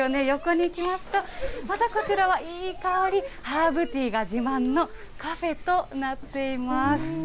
横に行きますと、またこちらまたいい香り、ハーブティーが自慢のカフェとなっています。